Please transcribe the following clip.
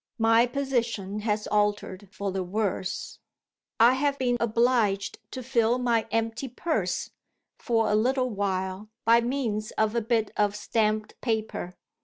My position has altered for the worse. I have been obliged to fill my empty purse, for a little while, by means of a bit of stamped paper.